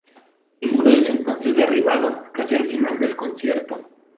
El muro es entonces derribado casi al final del concierto.